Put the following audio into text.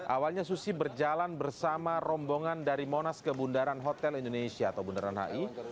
awalnya susi berjalan bersama rombongan dari monas ke bundaran hotel indonesia atau bundaran hi